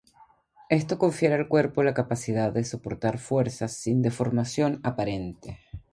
Esto confiere al cuerpo la capacidad de soportar fuerzas sin deformación aparente.